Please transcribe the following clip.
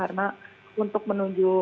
karena untuk menuju